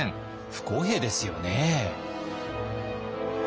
不公平ですよね。